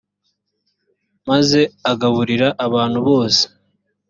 maze agaburira abantu bose